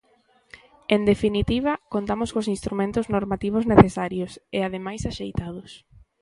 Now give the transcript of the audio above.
En definitiva, contamos cos instrumentos normativos necesarios, e ademais axeitados.